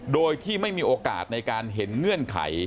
โดยที่ไม่มีโอกาสในการเห็นเงื่อนไข